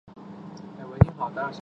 洛宗人口变化图示